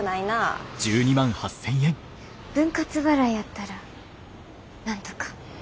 分割払いやったらなんとか。